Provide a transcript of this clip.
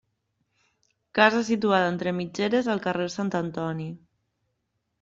Casa situada entre mitgeres al carrer Sant Antoni.